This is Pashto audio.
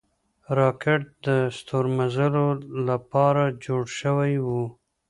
راکټ د ستورمزلو له پاره جوړ شوی و